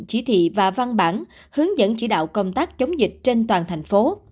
chỉ thị và văn bản hướng dẫn chỉ đạo công tác chống dịch trên toàn thành phố